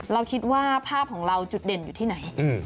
เราคิดว่าภาพของเราจุดเด่นอยู่ที่ไหน